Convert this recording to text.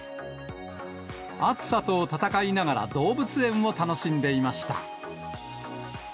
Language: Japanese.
暑さと闘いながら、動物園を楽しんでいました。